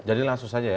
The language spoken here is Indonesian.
jadi langsung saja ya